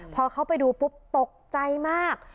พอเขาไปดูปุ๊บตกใจมาก